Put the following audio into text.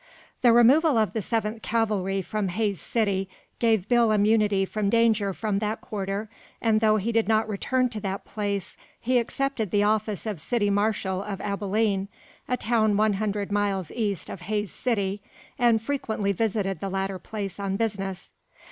The removal of the Seventh Cavalry from Hays City gave Bill immunity from danger from that quarter, and though he did not return to that place, he accepted the office of city marshal of Abilene, a town one hundred miles east of Hays City, and frequently visited the latter place on business.